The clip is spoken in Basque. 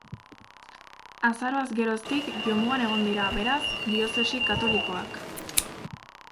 Azaroaz geroztik, jomugan egon dira, beraz, diozesi katolikoak.